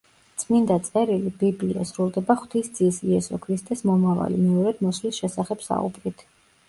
წმინდა წერილი, ბიბლია სრულდება ღვთის ძის, იესო ქრისტეს მომავალი, მეორედ მოსვლის შესახებ საუბრით.